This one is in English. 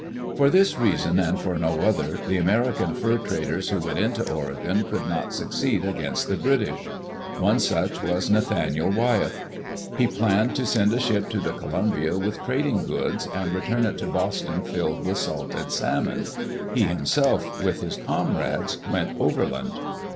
For this reason, and for no other, the American fur traders who went into Oregon could not succeed against the British. One such was Nathaniel Wyeth. He planned to send a ship to the Columbia with trading goods, and return it to Boston filled with salted salmon. He himself, with his comrades, went overland.